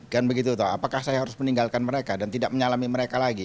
kan begitu apakah saya harus meninggalkan mereka dan tidak menyalami mereka lagi